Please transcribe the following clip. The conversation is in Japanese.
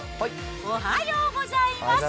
おはようございます。